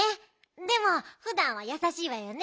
でもふだんはやさしいわよね。